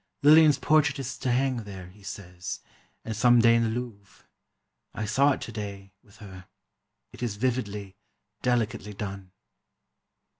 Lillian's portrait is to hang there, he says, and some day in the Louvre. I saw it today, with her. It is vividly, delicately done.